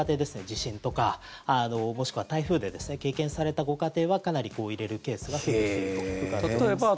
地震とか、もしくは台風で経験されたご家庭はかなり入れるケースが増えてきていると伺っています。